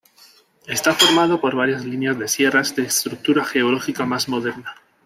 Está formado por varias líneas de sierras de estructura geológica más moderna.